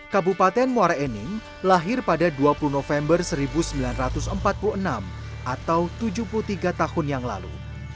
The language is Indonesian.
kabupaten muara enim lahir pada dua puluh november seribu sembilan ratus empat puluh enam atau tujuh puluh tiga tahun yang lalu